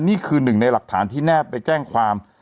นี่คือหนึ่งในหลักฐานที่แนบไปแจ้งความ